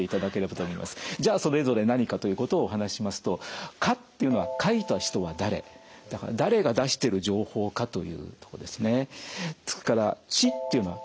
じゃあそれぞれ何かということをお話ししますとだから誰が出してる情報かというとこですね。